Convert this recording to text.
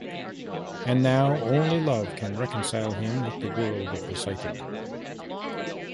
And now only love can reconcile him with the world of the sighted.